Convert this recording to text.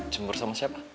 cemburu sama siapa